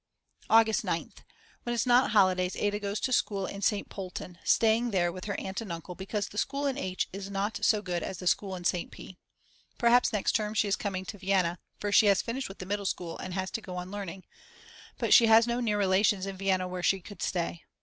August 9th. When it's not holidays Ada goes to school in St. Polten staying there with her aunt and uncle, because the school in H. is not so good as the school in St. P. Perhaps next term she is coming to Vienna, for she has finished with the middle school and has to go on learning. But she has no near relations in Vienna where she could stay.